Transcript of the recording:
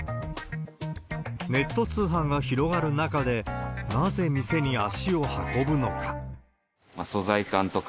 ネット通販が広がる中で、なぜ店に足を運ぶのか。